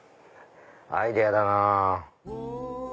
アイデアだなぁ。